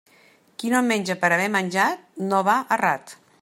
Qui no menja per haver menjat, no va errat.